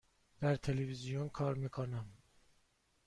در تلویزیون کار می کنم.